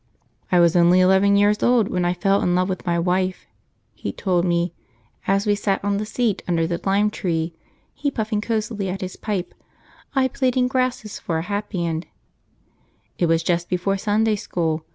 "I was only eleven years old when I fell in love with my wife," he told me as we sat on the seat under the lime tree; he puffing cosily at his pipe, I plaiting grasses for a hatband. {Puffing cosily at his pipe: p77.jpg} "It was just before Sunday school.